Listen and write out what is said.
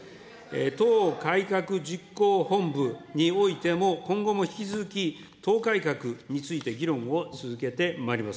党改革実行本部においても、今後も引き続き、党改革について議論を続けてまいります。